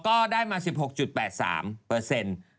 ก็ได้มา๑๖๘๓เปอร์เซ็นต์